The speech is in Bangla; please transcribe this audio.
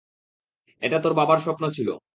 এটা তোর বাবার স্বপ্ন ছিলো।